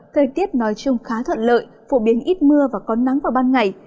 thời tiết nói chung khá thuận lợi phổ biến ít mưa và có nắng vào ban ngày